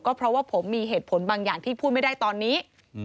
เพราะว่าผมมีเหตุผลบางอย่างที่พูดไม่ได้ตอนนี้